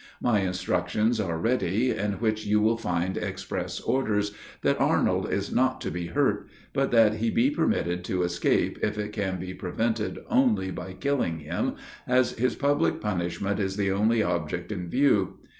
My instructions are ready, in which you will find express orders, that Arnold is not to be hurt; but that he be permitted to escape, if it can be prevented only by killing him, as his public punishment is the only object in view.